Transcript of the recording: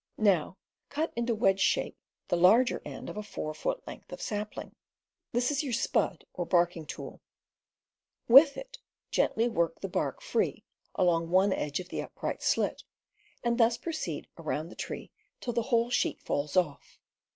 Now cut into wedge shape the larger end of a four foot length of sapling; this is your 268 CAMPING AND WOODCRAFT "spud" or barking tool. With it gently work the bark free along one edge of the upright slit, and thus pro ceed around the tree till the whole sheet falls off.